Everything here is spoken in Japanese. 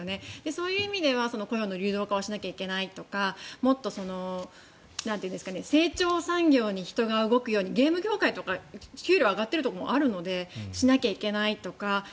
そういう意味では雇用の流動化をしないといけないとかもっと成長産業に人が動くようにゲーム業界とか給料が上がっているところもあるのでしなきゃいけないとか。